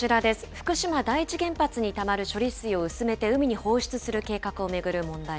福島第一原発にたまる処理水を薄めて海に放出する計画を巡る問題